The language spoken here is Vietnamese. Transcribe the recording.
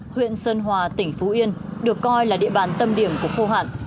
huyện sơn hòa tỉnh phú yên được coi là địa bàn tâm điểm của khô hạn